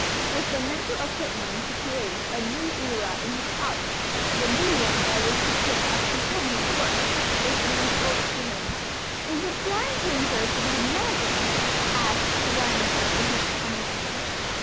With the mental equipment to create a new era in his art, the medium by which he could apprehend his works was being closed to him. "Is a blind painter to be imagined?" asks Wagner in this connection.